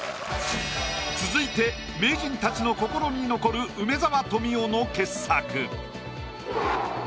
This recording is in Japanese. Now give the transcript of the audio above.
続いて名人たちの心に残る梅沢富美男の傑作。